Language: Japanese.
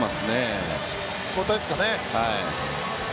交代ですかね。